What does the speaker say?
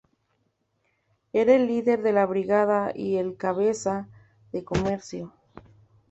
Era el líder de la brigada y el cabeza de comercio.